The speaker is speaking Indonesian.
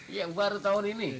iya baru tahun ini